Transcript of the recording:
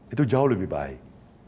itu jauh lebih baik